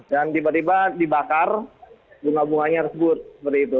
dan tiba tiba dibakar bunga bunganya tersebut seperti itu